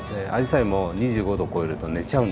アジサイも２５℃を超えると寝ちゃうんですね。